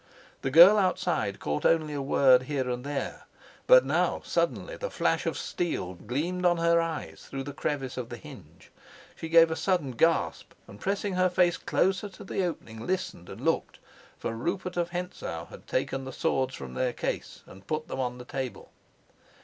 The girl outside caught only a word here and there; but now suddenly the flash of steel gleamed on her eyes through the crevice of the hinge. She gave a sudden gasp, and, pressing her face closer to the opening, listened and looked. For Rupert of Hentzau had taken the swords from their case and put them on the table.